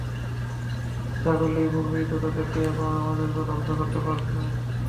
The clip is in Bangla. তুমি ইচ্ছা করলে পূর্বেই তো তাদেরকে এবং আমাকেও ধ্বংস করতে পারতে।